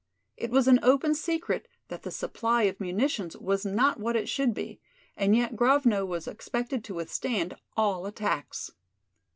It was an open secret that the supply of munitions was not what it should be, and yet Grovno was expected to withstand all attacks.